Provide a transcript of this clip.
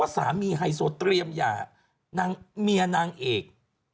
ว่าสามีไฮโซเตรียมย่าเมียนางเอก